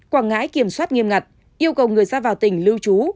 quảng ngãi kiểm soát nghiêm ngặt yêu cầu người ra vào tỉnh lưu trú